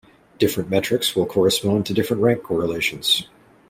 Different metrics will correspond to different rank correlations.